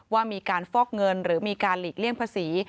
ว่ามีการฟอกเงินหรือมีการหลีกเลี่ยงภาษี